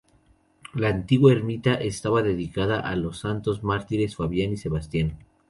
La antigua ermita estaba dedicada a los Santos Mártires Fabián y Sebastián.